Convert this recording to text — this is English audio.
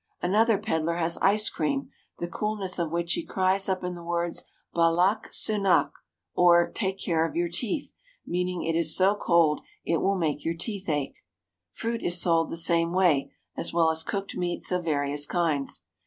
Another pedlar has ice cream the coolness of which he cries up in the words: "Balak sunnak," or "Take care of your teeth," meaning it is so cold it will make your teeth ache. Fruit is sold the same way, as well as cooked meats of various kinds.